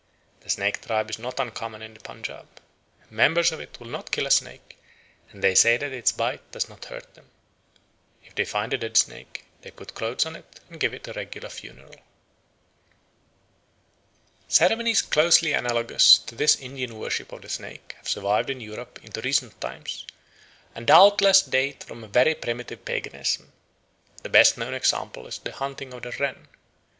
The Snake tribe is not uncommon in the Punjaub. Members of it will not kill a snake, and they say that its bite does not hurt them. If they find a dead snake, they put clothes on it and give it a regular funeral. Ceremonies closely analogous to this Indian worship of the snake have survived in Europe into recent times, and doubtless date from a very primitive paganism. The best known example is the "hunting of the wren."